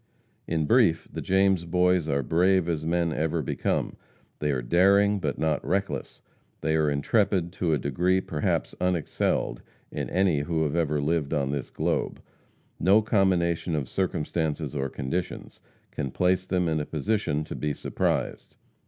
In brief, the James Boys are brave as men ever become; they are daring, but not reckless; they are intrepid to a degree perhaps unexcelled in any who have ever lived on this globe; no combination of circumstances or conditions can place them in a position to be surprised.